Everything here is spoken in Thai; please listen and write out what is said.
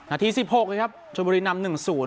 อาทิตย์๑๖นะครับเชิญบุรีนำ๑๐